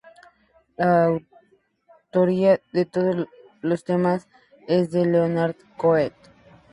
La autoría de todos los temas es de Leonard Cohen.